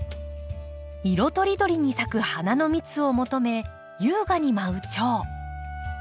色とりどりに咲く花の蜜を求め優雅に舞うチョウ。